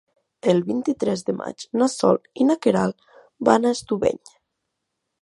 El vint-i-tres de maig na Sol i na Queralt van a Estubeny.